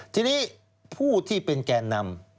ทีนี้ผู้ที่เป็นแก่นำ